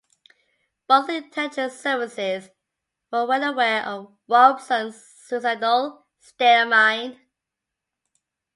Both intelligence services were well aware of Robeson's suicidal state of mind.